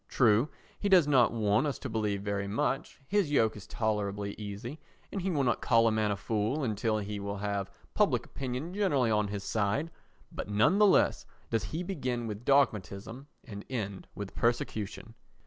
True, he does not want us to believe very much; his yoke is tolerably easy, and he will not call a man a fool until he will have public opinion generally on his side; but none the less does he begin with dogmatism and end with persecution.